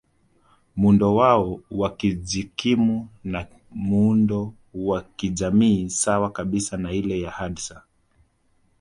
Muundo wao wakujikimu na muundo wao wakijamii sawa kabisa na ile ya Hadza